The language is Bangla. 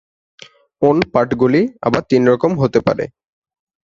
ওন্-পাঠগুলি আবার তিন রকম হতে পারে।